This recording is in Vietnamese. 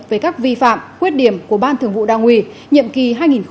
về các vi phạm khuyết điểm của ban thường vụ đảng ủy nhiệm kỳ hai nghìn một mươi năm hai nghìn hai mươi